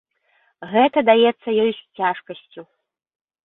Гэта даецца ёй з цяжкасцю.